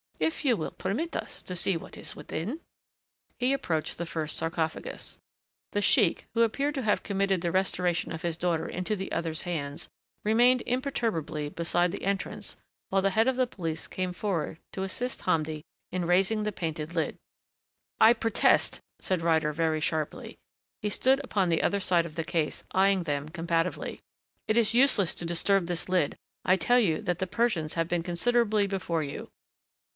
"If you will permit us to see what is within " He approached the first sarcophagus. The sheik, who appeared to have committed the restoration of his daughter into the other's hands, remained imperturbably beside the entrance while the head of the police came forward to assist Hamdi in raising the painted lid. "I protest," said Ryder very sharply. He stood upon the other side of the case, eying them combatively. "It is useless to disturb this lid I tell you that the Persians have been considerably before you."